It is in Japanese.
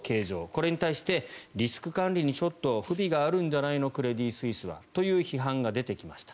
これに対してリスク管理にちょっと不備があるんじゃないのクレディ・スイスはという批判が出てきました。